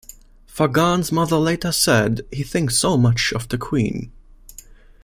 Fagan's mother later said, He thinks so much of the Queen.